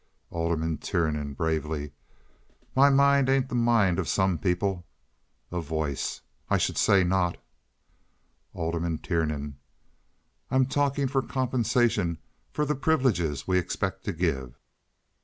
Alderman Tiernan (bravely). "My mind ain't the mind of some people." A Voice. "I should say not." Alderman Tiernan. "I'm talking for compensation for the privileges we expect to give."